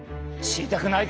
知りたい！